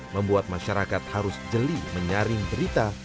membuat masyarakat harus jeli menyaring berita